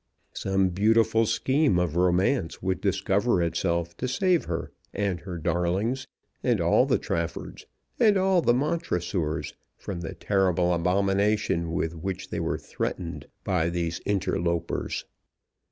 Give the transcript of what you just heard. Some beautiful scheme of romance would discover itself to save her and her darlings, and all the Traffords and all the Montressors from the terrible abomination with which they were threatened by these interlopers.